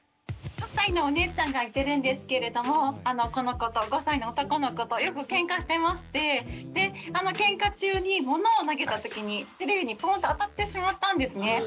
８歳のお姉ちゃんがいてるんですけれどもこの子と５歳の男の子とよくケンカしてましてでケンカ中に物を投げた時にテレビにポンと当たってしまったんですね。